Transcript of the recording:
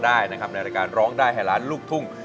ได้นะครับในรายการร้องได้ให้ล้านลูกทุ่ง